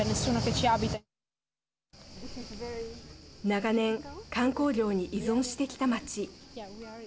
長年観光業に依存してきた街。